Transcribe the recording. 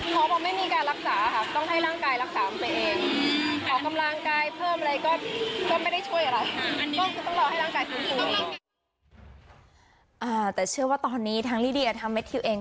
เขาบอกไม่มีการรักษาค่ะต้องให้ร่างกายรักษามันไปเอง